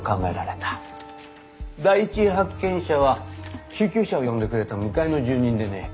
第一発見者は救急車を呼んでくれた向かいの住人でね